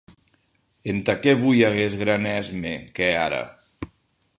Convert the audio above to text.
Entà qué voi aguest gran èsme qu’è ara?